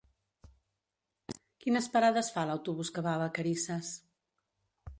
Quines parades fa l'autobús que va a Vacarisses?